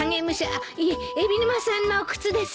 あっいえ海老沼さんの靴です。